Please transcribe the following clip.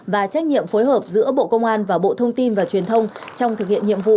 và trách nhiệm phối hợp giữa bộ công an và bộ thông tin và truyền thông trong thực hiện nhiệm vụ